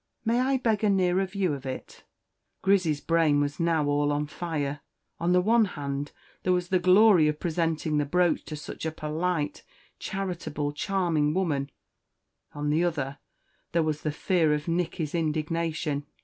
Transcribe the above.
May I beg a nearer view of it?" Grizzy's brain was now all on fire. On the one hand there was the glory of presenting the brooch to such a polite, charitable, charming woman; on the other, there was the fear of Nicky's indignation.